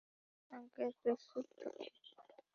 Uncle, please চুপ থাকুন।